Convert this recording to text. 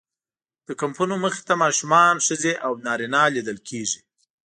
د کمپونو مخې ته ماشومان، ښځې او نارینه لیدل کېږي.